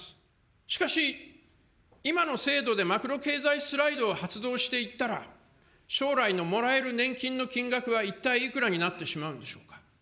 しかし、今の制度でマクロ経済スライドを発動していったら、将来のもらえる年金の金額は一体いくらになってしまうんでしょう。